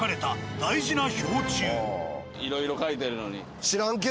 いろいろ書いてるのに。